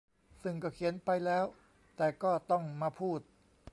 ซึ่งก็เขียนไปแล้วแต่ก็ต้องมาพูด